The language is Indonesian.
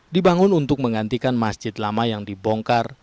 dibangun untuk menggantikan masjid lama yang dibongkar